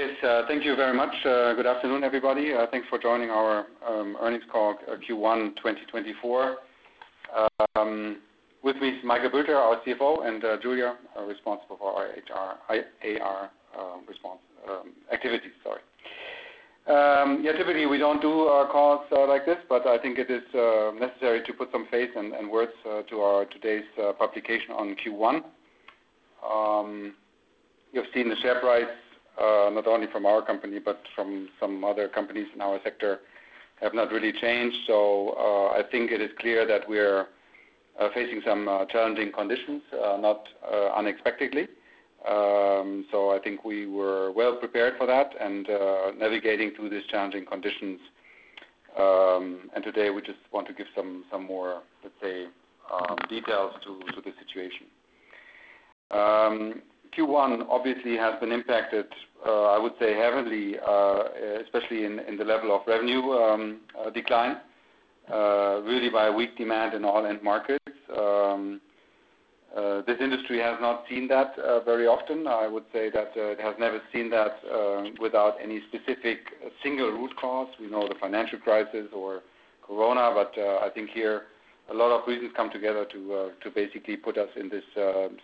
Yes. Thank you very much. Good afternoon, everybody. Thanks for joining our earnings call, Q1 2024. With me is Michael Bülter, our CFO, and Julia, responsible for our IR activity, sorry. Yeah, typically, we don't do calls like this, but I think it is necessary to put some face and words to our today's publication on Q1. You've seen the share price, not only from our company, but from some other companies in our sector, have not really changed. I think it is clear that we're facing some challenging conditions, not unexpectedly. I think we were well prepared for that and navigating through these challenging conditions. Today, we just want to give some more, let's say, details to the situation. Q1 obviously has been impacted, I would say heavily, especially in the level of revenue, decline, really by weak demand in all end markets. This industry has not seen that very often. I would say that it has never seen that without any specific single root cause. We know the financial crisis or Corona, I think here a lot of reasons come together to basically put us in this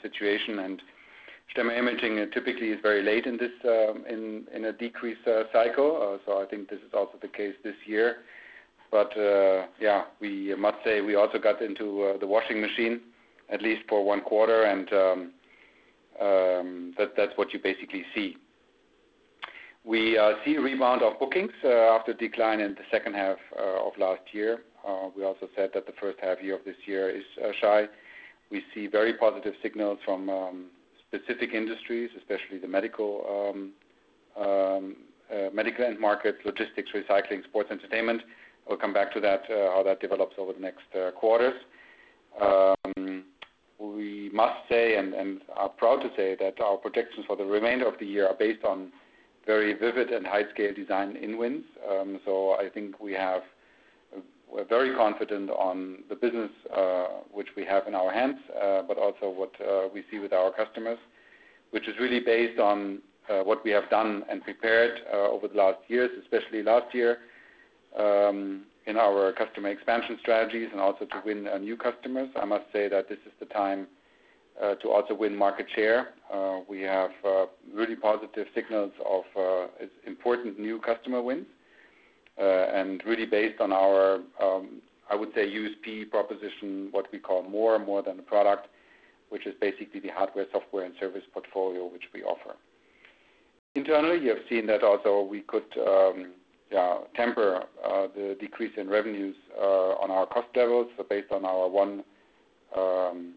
situation. Stemmer Imaging typically is very late in this, in a decreased cycle. I think this is also the case this year. Yeah, we must say we also got into the washing machine at least for one quarter, and that's what you basically see. We see a rebound of bookings after decline in the second half of last year. We also said that the first half year of this year is shy. We see very positive signals from specific industries, especially the medical, medical end markets, logistics, recycling, sports, entertainment. We'll come back to that, how that develops over the next quarters. We must say, and are proud to say that our projections for the remainder of the year are based on very vivid and high scale design-in wins. I think we're very confident on the business which we have in our hands, but also what we see with our customers, which is really based on what we have done and prepared over the last years, especially last year, in our customer expansion strategies and also to win new customers. I must say that this is the time to also win market share. We have really positive signals of important new customer wins and really based on our, I would say USP proposition, what we call more than a product, which is basically the hardware, software, and service portfolio which we offer. Internally, you have seen that also we could temper the decrease in revenues on our cost levels. Based on our ONE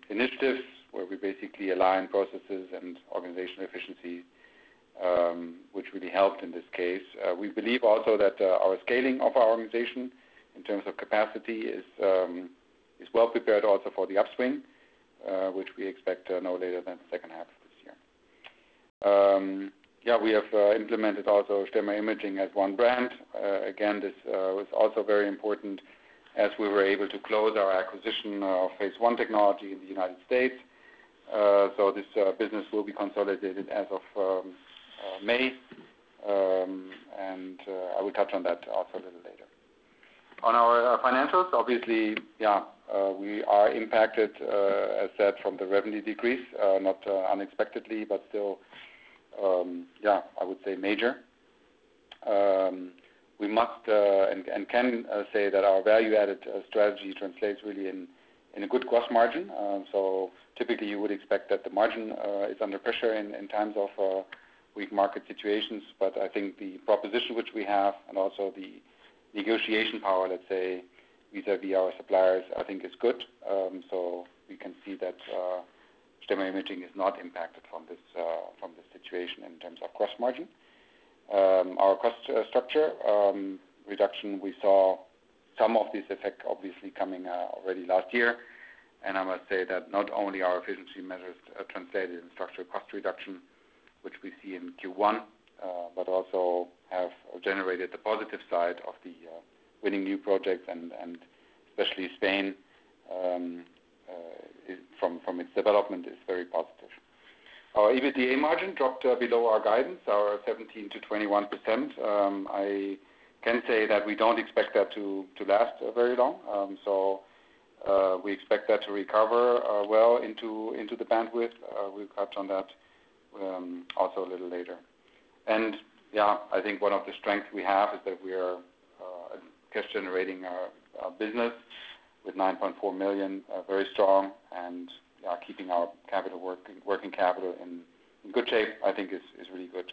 initiatives, where we basically align processes and organizational efficiency, which really helped in this case. We believe also that our scaling of our organization in terms of capacity is well prepared also for the upswing, which we expect no later than the second half of this year. Yeah, we have implemented also Stemmer Imaging as one brand. Again, this was also very important as we were able to close our acquisition of Phase 1 Technology Corp. in the U.S. This business will be consolidated as of May, and I will touch on that also a little later. On our financials, obviously, yeah, we are impacted, as said from the revenue decrease, not unexpectedly, but still, yeah, I would say major. We must say that our value-added strategy translates really in a good gross margin. Typically, you would expect that the margin is under pressure in times of weak market situations. I think the proposition which we have and also the negotiation power, let's say, vis-à-vis our suppliers, I think is good. We can see that Stemmer Imaging is not impacted from this situation in terms of gross margin. Our cost structure reduction, we saw some of this effect obviously coming already last year. I must say that not only our efficiency measures translated in structural cost reduction, which we see in Q1, but also have generated the positive side of the winning new projects, and especially Spain, from its development is very positive. Our EBITDA margin dropped below our guidance, our 17%-21%. I can say that we don't expect that to last very long. We expect that to recover well into the bandwidth. We'll touch on that also a little later. Yeah, I think one of the strengths we have is that we are cash generating our business with 9.4 million, very strong and keeping our working capital in good shape, I think is really good.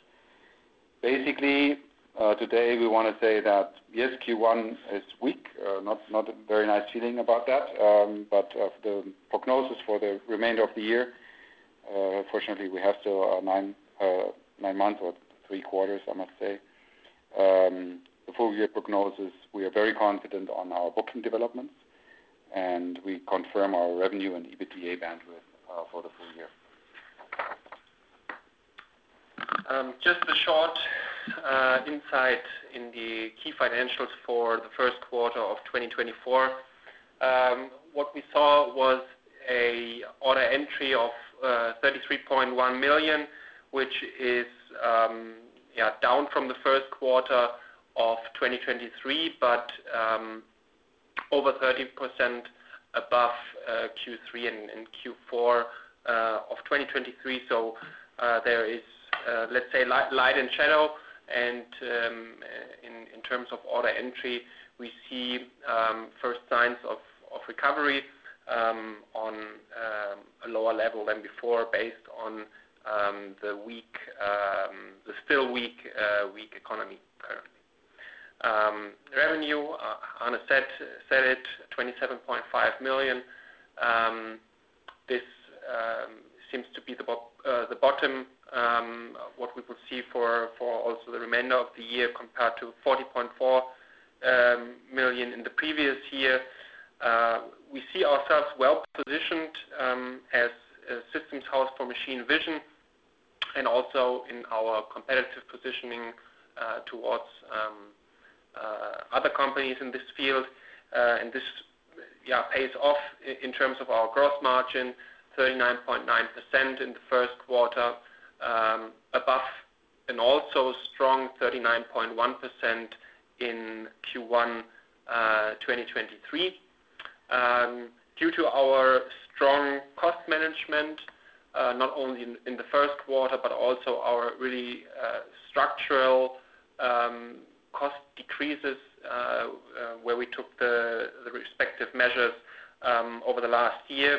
Basically, today we want to say that, yes, Q1 is weak. Not a very nice feeling about that. Of the prognosis for the remainder of the year, fortunately, we have still nine months or three quarters, I must say. The full year prognosis, we are very confident on our booking developments, and we confirm our revenue and EBITDA bandwidth for the full year. Just a short insight in the key financials for the first quarter of 2024. What we saw was an order entry of 33.1 million, which is down from the first quarter of 2023, over 30% above Q3 and Q4 of 2023. There is, let's say, light and shadow and in terms of order entry, we see first signs of recovery on a lower level than before, based on the still weak economy currently. Revenue on EUR 27.5 million. This seems to be the bottom what we could see for also the remainder of the year compared to 40.4 million in the previous year. We see ourselves well-positioned as a systems house for machine vision and also in our competitive positioning towards other companies in this field. This pays off in terms of our gross margin, 39.9% in the first quarter, above and also strong 39.1% in Q1 2023. Due to our strong cost management, not only in the first quarter, but also our really structural cost decreases, where we took the respective measures over the last year,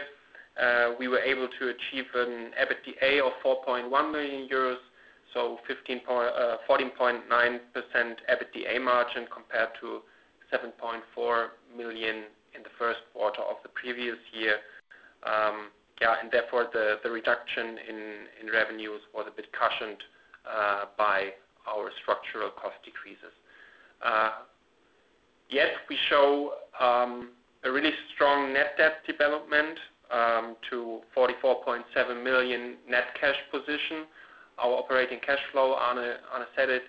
we were able to achieve an EBITDA of 4.1 million euros, so 14.9% EBITDA margin compared to 7.4 million in the first quarter of the previous year. Therefore, the reduction in revenues was a bit cushioned by our structural cost decreases. We show a really strong net debt development to 44.7 million net cash position. Our operating cash flow as I said it,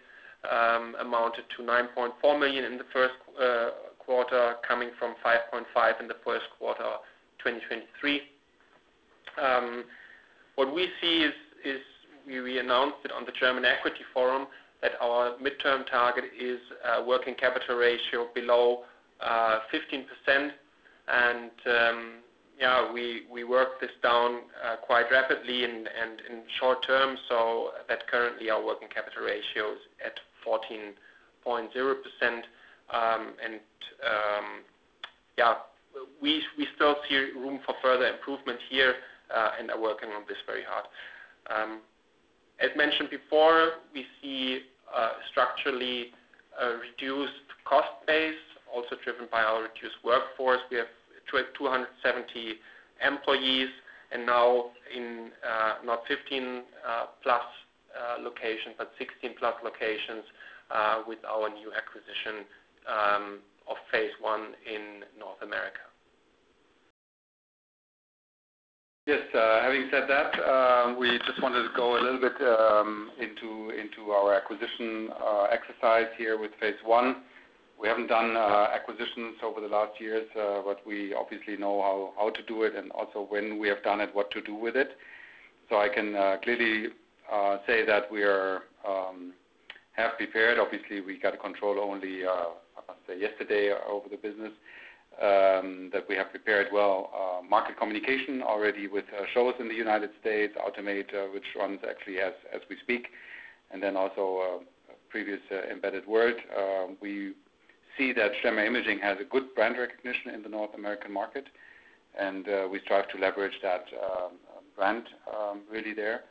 amounted to 9.4 million in the first quarter, coming from 5.5 million in the first quarter of 2023. What we see is, we announced it on the German Equity Forum, that our midterm target is a working capital ratio below 15%. We work this down quite rapidly and in short term, so that currently our working capital ratio is at 14.0%. Yeah, we still see room for further improvement here, and are working on this very hard. As mentioned before, we see a structurally reduced cost base, also driven by our reduced workforce. We have 270 employees and now in not 15+ locations, but 16+ locations, with our new acquisition of Phase 1 in North America. Yes. Having said that, we just wanted to go a little bit into our acquisition exercise here with Phase 1. We haven't done acquisitions over the last years, but we obviously know how to do it and also when we have done it, what to do with it. I can clearly say that we have prepared. Obviously, we got control only, I must say yesterday over the business, that we have prepared well, market communication already with shows in the United States, Automate, which runs actually as we speak, and also previous Embedded World. We see that Stemmer Imaging has a good brand recognition in the North American market, and we strive to leverage that brand really there.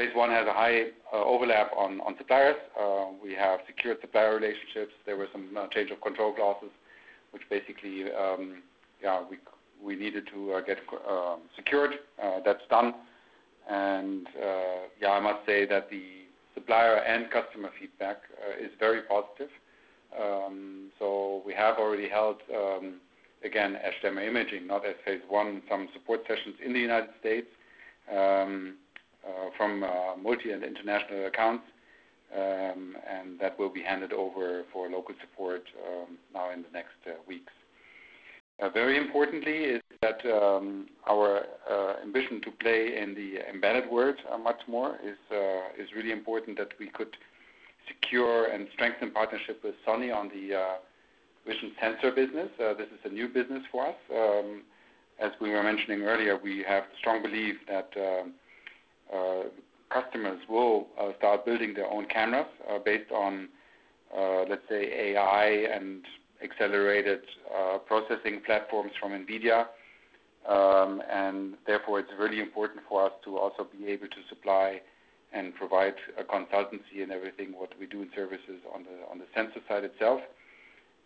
Phase 1 has a high overlap on suppliers. We have secured supplier relationships. There were some change of control clauses, which basically, we needed to get secured. That's done. I must say that the supplier and customer feedback is very positive. We have already held, again, as Stemmer Imaging, not as Phase 1, some support sessions in the United States, from multi and international accounts, and that will be handed over for local support now in the next weeks. Very importantly is that our ambition to play in the Embedded World much more is really important that we could secure and strengthen partnership with Sony on the vision sensor business. This is a new business for us. As we were mentioning earlier, we have strong belief that customers will start building their own cameras based on let's say AI and accelerated processing platforms from NVIDIA. Therefore it's really important for us to also be able to supply and provide a consultancy in everything, what we do in services on the sensor side itself.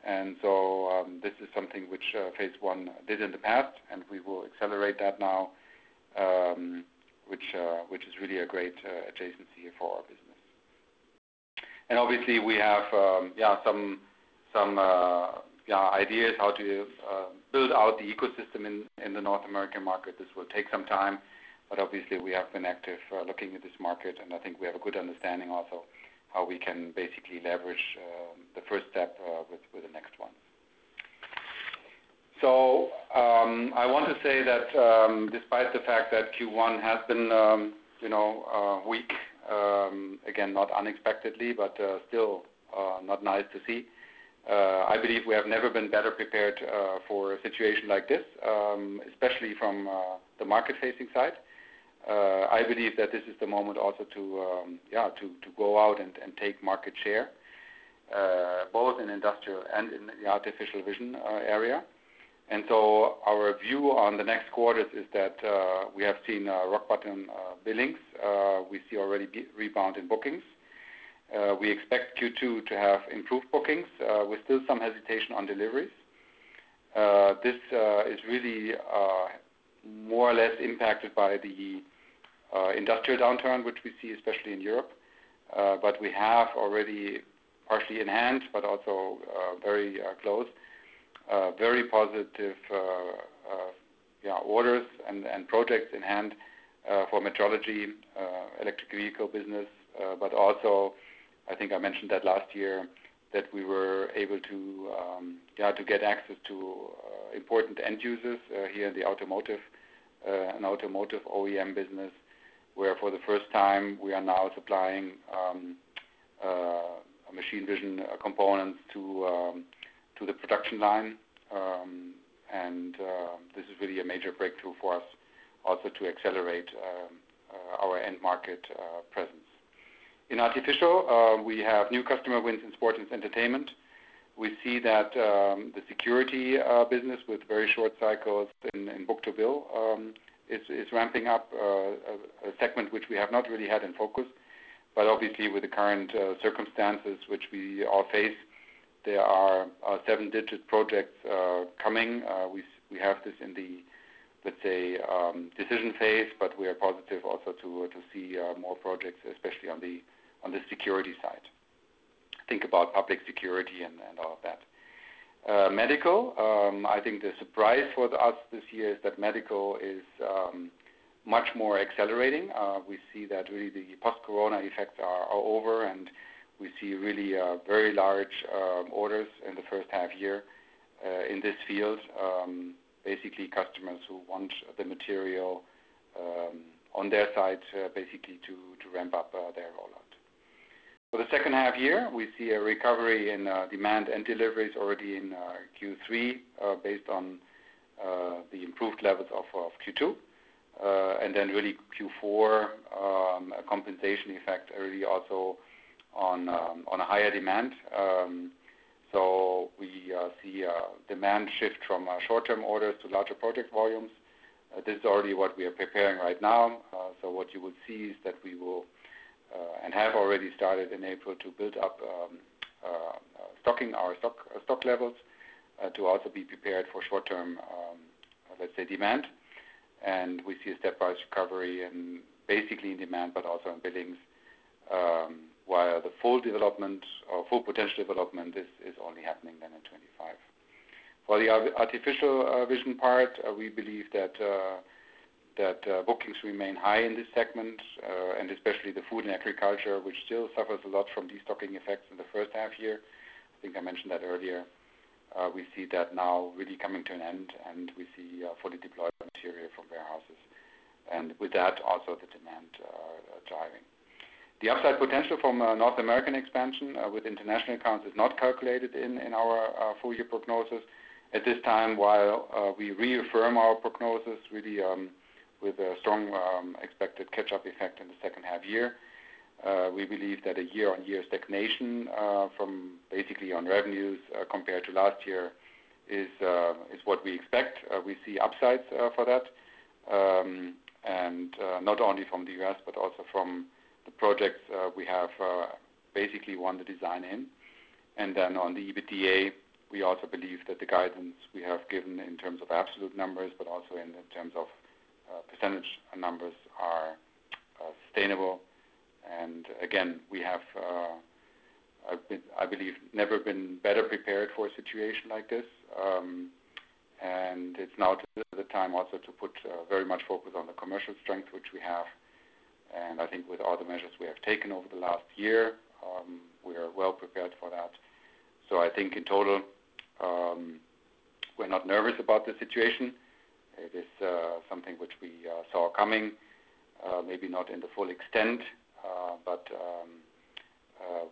This is something which Phase 1 did in the past, and we will accelerate that now, which is really a great adjacency for our business. Obviously we have some ideas how to build out the ecosystem in the North American market. This will take some time, but obviously we have been active, looking at this market, and I think we have a good understanding also how we can basically leverage the first step with the next steps. I want to say that, despite the fact that Q1 has been, you know, weak, again, not unexpectedly, but still not nice to see. I believe we have never been better prepared for a situation like this, especially from the market-facing side. I believe that this is the moment also to, yeah, to go out and take market share, both in industrial and in the artificial vision area. Our view on the next quarters is that we have seen rock-bottom billings. We see already rebound in bookings. We expect Q2 to have improved bookings with still some hesitation on deliveries. This is really more or less impacted by the industrial downturn, which we see especially in Europe. But we have already partially enhanced, but also very close, very positive orders and projects in hand for metrology, electric vehicle business. But also, I think I mentioned that last year that we were able to get access to important end users here in the automotive, in automotive OEM business, where for the first time we are now supplying machine vision component to the production line. This is really a major breakthrough for us also to accelerate our end market presence. In artificial, we have new customer wins in sports and entertainment. We see that the security business with very short cycles in book-to-bill is ramping up, a segment which we have not really had in focus. Obviously with the current circumstances which we all face, there are seven-digit projects coming. We have this in the, let's say, decision phase, we are positive also to see more projects, especially on the security side. Think about public security and all of that. Medical, I think the surprise for us this year is that medical is much more accelerating. We see that really the post-corona effects are over, we see really very large orders in the first half-year in this field. Customers who want the material on their side to ramp up their rollout. For the second half year, we see a recovery in demand and deliveries already in Q3, based on the improved levels of Q2. Then Q4, a compensation effect really also on a higher demand. We see a demand shift from short-term orders to larger project volumes. This is already what we are preparing right now. What you would see is that we will and have already started in April to build up stocking our stock levels to also be prepared for short-term demand. We see a stepwise recovery in basically in demand, but also in billings, while the full development or full potential development is only happening then in 2025. For the artificial vision part, we believe that bookings remain high in this segment, and especially the food and agriculture, which still suffers a lot from destocking effects in the first half year. I think I mentioned that earlier. We see that now really coming to an end, and we see fully deployed material from warehouses. With that, also the demand driving. The upside potential from North American expansion with international accounts is not calculated in our full year prognosis. At this time, while we reaffirm our prognosis really, with a strong expected catch-up effect in the second half year, we believe that a year-on-year stagnation from basically on revenues compared to last year is what we expect. We see upsides for that. Not only from the U.S., but also from the projects we have basically won the design-in. On the EBITDA, we also believe that the guidance we have given in terms of absolute numbers, but also in terms of percentage numbers are sustainable. Again, we have, I've been, I believe, never been better prepared for a situation like this. It's now the time also to put very much focus on the commercial strength which we have. I think with all the measures we have taken over the last year, we are well prepared for that. I think in total, we're not nervous about the situation. It is something which we saw coming, maybe not in the full extent, but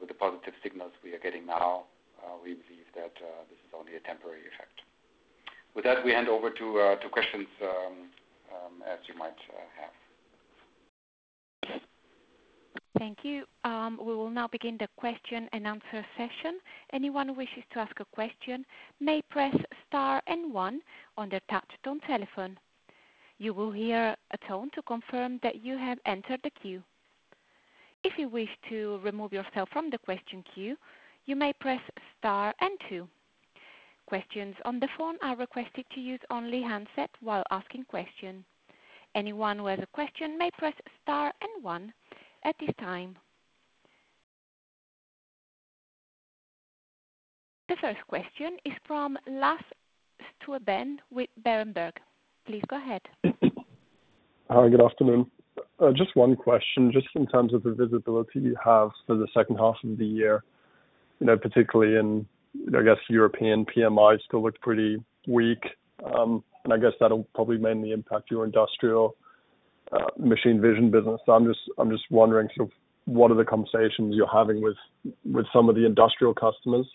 with the positive signals we are getting now, we believe that this is only a temporary effect. With that, we hand over to questions as you might have. Thank you. We will now begin the question and answer session. Anyone wishes to ask a question, may press star and one on their touchtone telephone. You will hear a tone to confirm that you have enter the queue. If you wish to remove yourself from the question queue, you may press star and two. Questions on the phone I request it to use only handset while asking question. Anyone wish a question, may press star and one. At this time. The first question is from Lasse Stüben with Berenberg. Please go ahead. Hi, good afternoon. Just one question, just in terms of the visibility you have for the second half of the year, you know, particularly in, I guess, European PMI still looked pretty weak. I guess that'll probably mainly impact your industrial machine vision business. I'm just wondering sort of what are the conversations you're having with some of the industrial customers,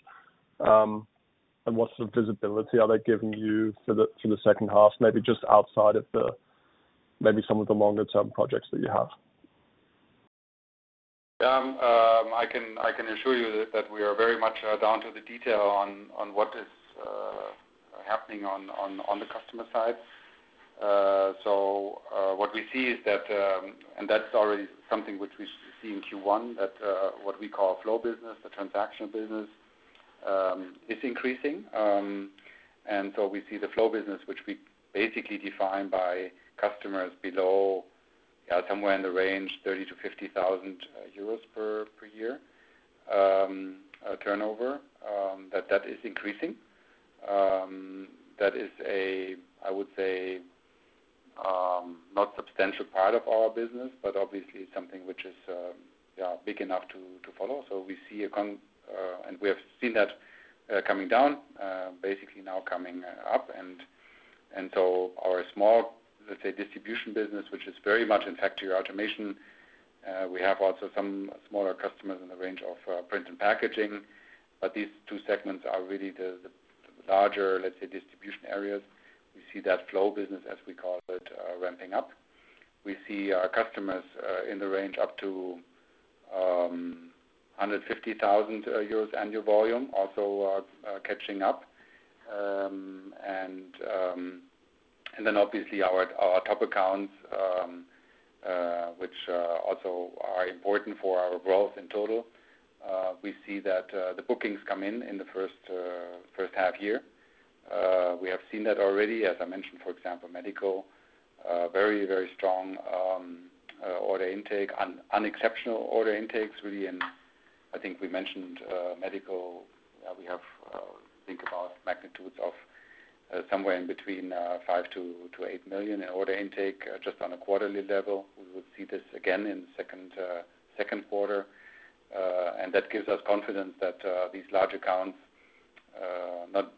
what sort of visibility are they giving you for the second half, maybe just outside of some of the longer-term projects that you have. I can assure you that we are very much down to the detail on what is happening on the customer side. What we see is that, and that's already something which we see in Q1, that what we call flow business, the transaction business, is increasing. We see the flow business, which we basically define by customers below, somewhere in the range 30,000-50,000 euros per year turnover, that is increasing. That is a, I would say, not substantial part of our business, but obviously something which is big enough to follow. We see and we have seen that coming down, basically now coming up. Our small, let's say, distribution business, which is very much in factory automation, we have also some smaller customers in the range of print and packaging, but these two segments are really the larger, let's say, distribution areas. We see that flow business, as we call it, ramping up. We see our customers in the range up to 150,000 euros annual volume also catching up. Obviously our top accounts, which also are important for our growth in total, we see that the bookings come in in the first half year. We have seen that already, as I mentioned, for example, medical, very strong order intake, unexceptional order intakes really. I think we mentioned medical, we have about magnitudes of somewhere in between 5 million and 8 million in order intake just on a quarterly level. We would see this again in Q2. That gives us confidence that these large accounts,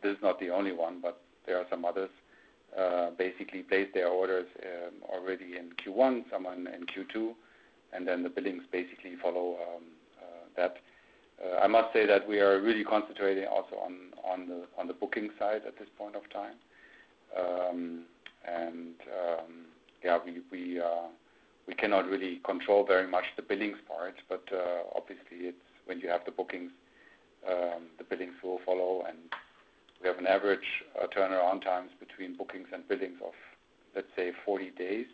this is not the only one, there are some others, basically place their orders already in Q1, some are in Q2, then the billings basically follow that. I must say that we are really concentrating also on the booking side at this point of time. Yeah, we cannot really control very much the billings part, but obviously it's when you have the bookings, the billings will follow. We have an average turnaround times between bookings and billings of, let's say, 40 days.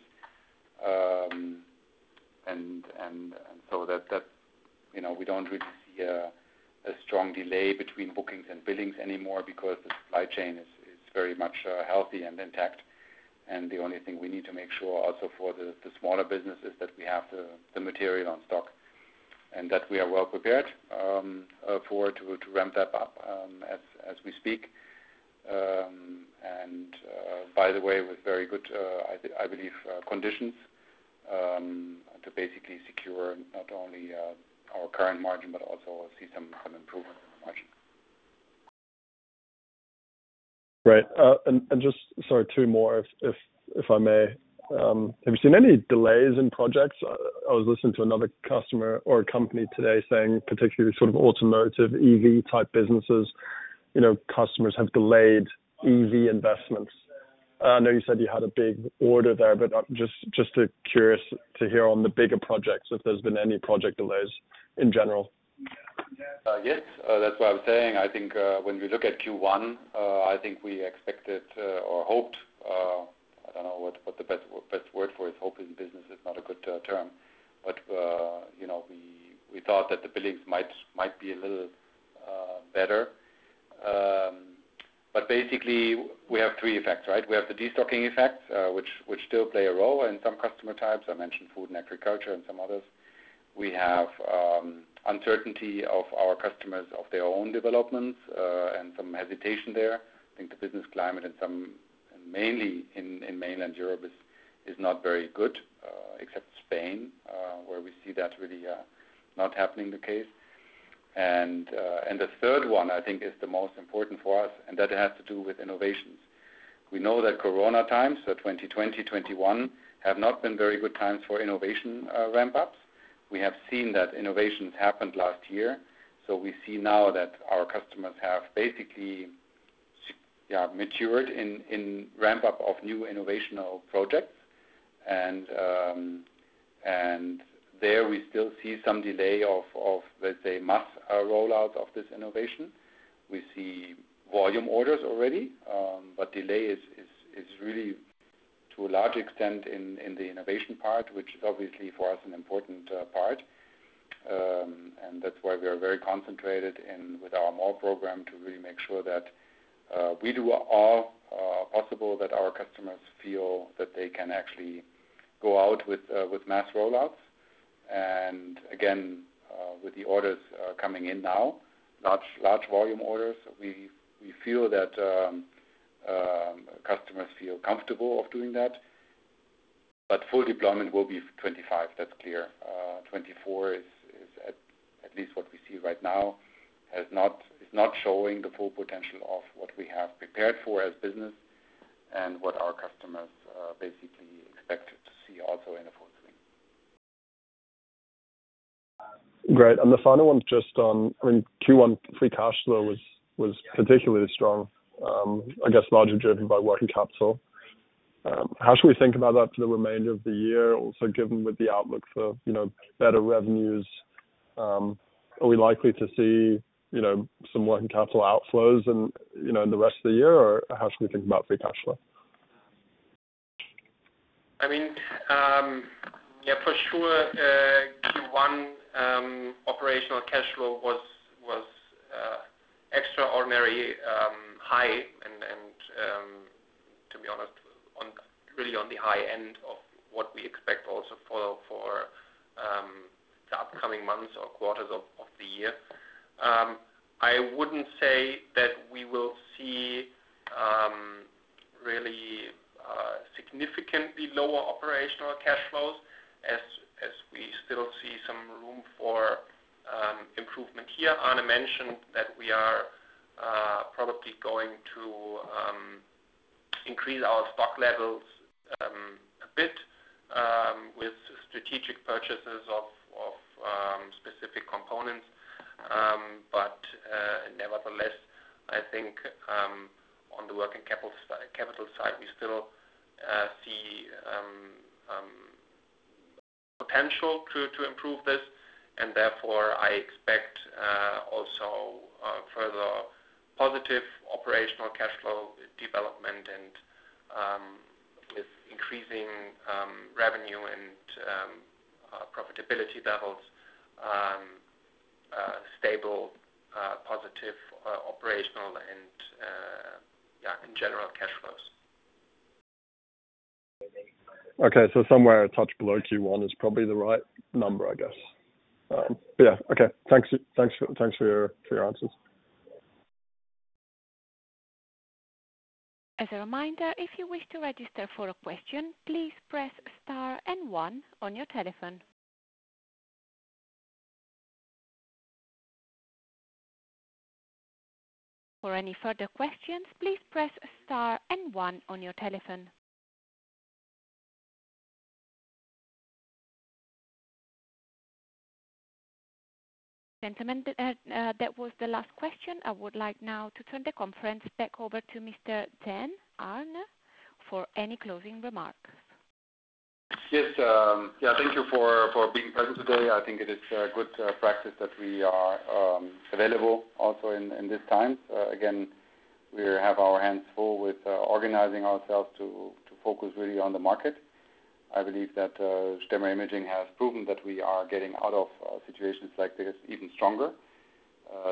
So that, you know, we don't really see a strong delay between bookings and billings anymore because the supply chain is very much healthy and intact. The only thing we need to make sure also for the smaller businesses, that we have the material on stock, and that we are well prepared for to ramp that up as we speak. By the way, with very good, I believe, conditions to basically secure not only our current margin, but also see some improvement in the margin. Right. Sorry, two more if I may. Have you seen any delays in projects? I was listening to another customer or a company today saying particularly sort of automotive EV type businesses, you know, customers have delayed EV investments. I know you said you had a big order there, but I'm just curious to hear on the bigger projects if there's been any project delays in general. Yes. That's what I was saying. I think, when we look at Q1, I think we expected or hoped, I don't know what the best word for it. Hope in business is not a good term. You know, we thought that the billings might be a little better. Basically, we have three effects, right? We have the destocking effect, which still play a role in some customer types. I mentioned food and agriculture and some others. We have uncertainty of our customers of their own developments and some hesitation there. I think the business climate mainly in mainland Europe is not very good, except Spain, where we see that really not happening the case. The third one I think is the most important for us, and that has to do with innovations. We know that Corona times, so 2020, 2021, have not been very good times for innovation ramp-ups. We have seen that innovations happened last year. We see now that our customers have basically matured in ramp-up of new innovational projects. There we still see some delay of, let's say, mass rollout of this innovation. We see volume orders already. Delay is really to a large extent in the innovation part, which is obviously for us an important part. That's why we are very concentrated with our MORE program to really make sure that we do all possible that our customers feel that they can actually go out with mass rollouts. With the orders coming in now, large volume orders, we feel that customers feel comfortable of doing that. Full deployment will be 2025, that's clear. 2024 is at least what we see right now, is not showing the full potential of what we have prepared for as business and what our customers basically expect to see also in the forthcoming. Great. The final one just on, I mean, Q1 free cash flow was particularly strong, I guess, largely driven by working capital. How should we think about that for the remainder of the year? Also, given with the outlook for, you know, better revenues, are we likely to see, you know, some working capital outflows and, you know, in the rest of the year? How should we think about free cash flow? I mean, yeah, for sure, Q1 operational cash flow was extraordinary high and, to be honest, really on the high end of what we expect also for the upcoming months or quarters of the year. I wouldn't say that we will see really significantly lower operational cash flows as we still see some room for improvement here. Arne mentioned that we are probably going to increase our stock levels a bit with strategic purchases of specific components. Nevertheless, I think on the working capital side, we still see potential to improve this. Therefore, I expect also further positive operational cash flow development and with increasing revenue and profitability levels, stable positive operational and yeah, in general cash flows. Okay. Somewhere a touch below Q1 is probably the right number, I guess. Yeah. Okay. Thanks. Thanks for your answers. As a reminder, if you wish to register for a question, please press star and one on your telephone. For any further questions, please press star and one on your telephone. Gentlemen, that was the last question. I would like now to turn the conference back over to Mr. Dehn, Arne, for any closing remarks. Yes. Thank you for being present today. I think it is good practice that we are available also in this time. Again, we have our hands full with organizing ourselves to focus really on the market. I believe that Stemmer Imaging has proven that we are getting out of situations like this even stronger.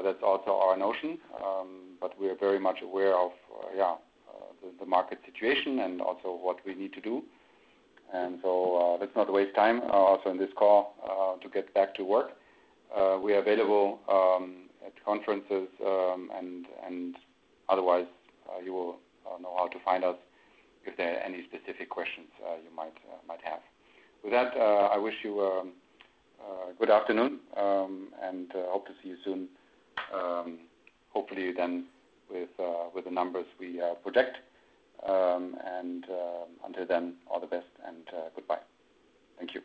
That's also our notion. We are very much aware of the market situation and also what we need to do. Let's not waste time also in this call to get back to work. We're available at conferences and otherwise, you will know how to find us if there are any specific questions you might have. With that, I wish you good afternoon and hope to see you soon. Hopefully with the numbers we project. Until then, all the best and goodbye. Thank you.